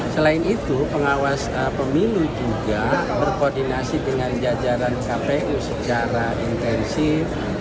selain itu pengawas pemilu juga berkoordinasi dengan jajaran kpu secara intensif